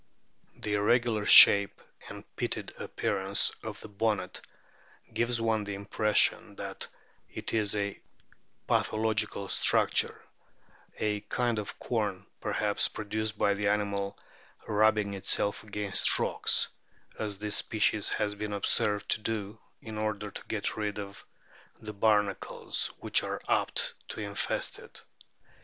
The irregular shape and pitted appearance of the bonnet gives one the impression that it is a patho logical structure, a kind of corn, perhaps produced by the animal rubbing itself against rocks, as this species has been observed to do in order to get rid of the barnacles which are apt to infest it.